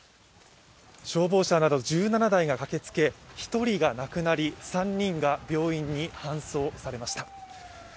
消防車など１７台が駆けつけ、１人が亡くなり、３人が病院に搬送されました。